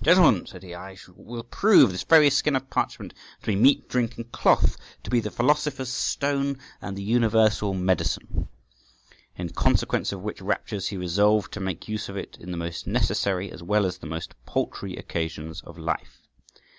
"Gentlemen," said he, "I will prove this very skin of parchment to be meat, drink, and cloth, to be the philosopher's stone and the universal medicine." In consequence of which raptures he resolved to make use of it in the most necessary as well as the most paltry occasions of life.